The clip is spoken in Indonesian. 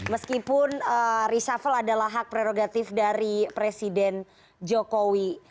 meskipun reshuffle adalah hak prerogatif dari presiden jokowi